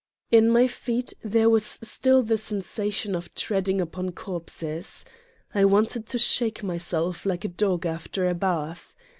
In my feet there was still the sensation of treading upon corpses. I wanted to shake myself like a dog after a bath.